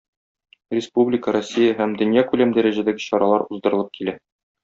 Республика, Россия һәм дөньякүләм дәрәҗәдәге чаралар уздырылып килә.